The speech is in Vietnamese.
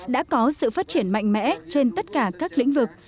đã có sự phát triển mạnh mẽ trên tất cả các lĩnh vực